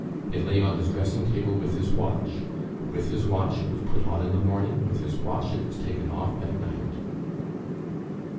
It lay on his dressing table with his watch; with his watch it was put on in the morning; with his watch it was taken off at night.